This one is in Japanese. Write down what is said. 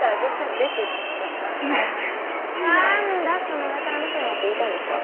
その上から目線はって言いたいんでしょ。